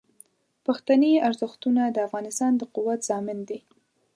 پښتني ارزښتونه د افغانستان د قوت ضامن دي.